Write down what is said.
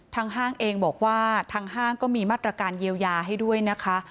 ห้างเองบอกว่าทางห้างก็มีมาตรการเยียวยาให้ด้วยนะคะ